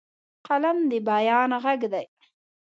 قلم د بیان غږ دی